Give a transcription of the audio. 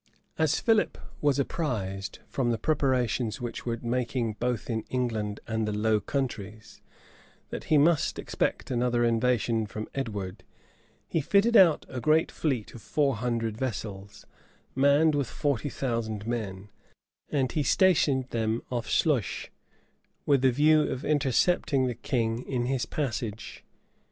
} As Philip was apprised, from the preparations which were making both in England and the Low Countries, that he must expect another invasion from Edward, he fitted out a great fleet of four hundred vessels, manned with forty thousand men: and he stationed them off Sluise, with a view of intercepting the king in his passage.